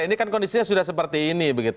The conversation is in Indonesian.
ini kan kondisinya sudah seperti ini